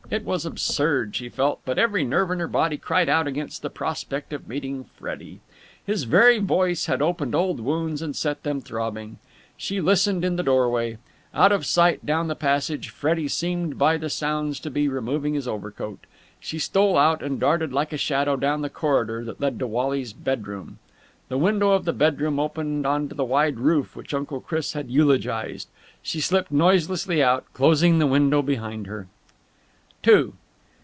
It was absurd, she felt, but every nerve in her body cried out against the prospect of meeting Freddie. His very voice had opened old wounds and set them throbbing. She listened in the doorway. Out of sight down the passage, Freddie seemed by the sounds to be removing his overcoat. She stole out and darted like a shadow down the corridor that led to Wally's bedroom. The window of the bedroom opened on to the wide roof which Uncle Chris had eulogized. She slipped noiselessly out, closing the window behind her.